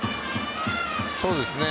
そうですね。